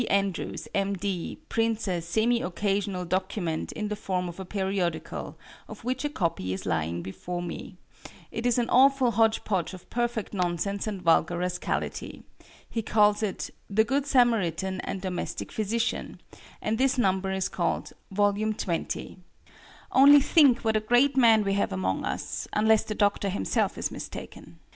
Andrews, M. D., prints a "semi occasional" document in the form of a periodical, of which a copy is lying before me. It is an awful hodgepodge of perfect nonsense and vulgar rascality. He calls it "The Good Samaritan and Domestic Physician," and this number is called "volume twenty." Only think what a great man we have among us unless the Doctor himself is mistaken.